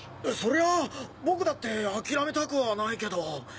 そりゃ僕だって諦めたくはないけど。